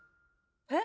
えっ？